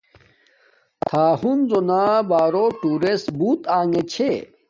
تھا ہنزو نا بارو ٹورسٹ بوت آنگے چھے